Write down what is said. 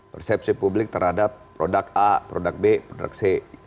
persepsi publik terhadap produk a produk b produk c